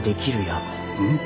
うん？